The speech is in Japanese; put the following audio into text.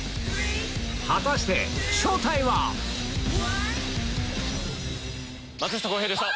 果たして正体は⁉松下洸平でした。